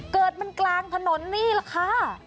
เกิดมันกลางถนนนี่แหละค่ะ